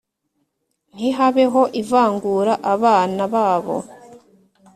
ntihabeho ivangura abana babo